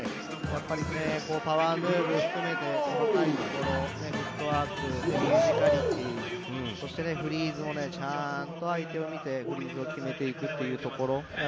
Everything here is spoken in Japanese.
パワームーブを含めてフットワークミュージカリティー、そしてフリーズもちゃんと相手を見てフリーズを決めていくっていうところ。